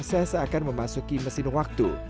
saya seakan memasuki mesin waktu